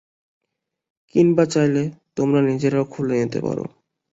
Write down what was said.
কিংবা চাইলে তোমরা নিজেরাও খুলে নিতে পারো।